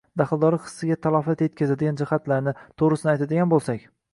daxldorlik hissiga talofat yetkazadigan jihatlarni, to‘g‘risini aytadigan bo‘lsak